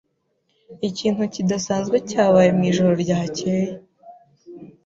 Ikintu kidasanzwe cyabaye mwijoro ryakeye.